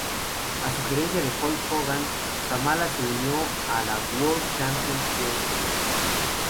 A sugerencia de Hulk Hogan, Kamala se unió a la World Championship Wrestling.